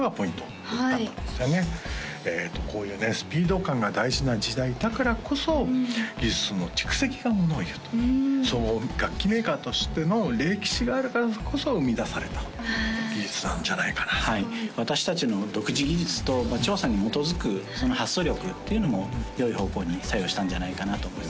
はいこういうねスピード感が大事な時代だからこそ技術の蓄積がものをいうと総合楽器メーカーとしての歴史があるからこそ生み出された技術なんじゃないかなとはい私達の独自技術と調査に基づく発想力っていうのも良い方向に作用したんじゃないかなと思います